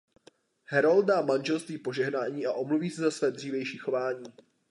Harold dá manželství požehnání a omluví se za své dřívější chování.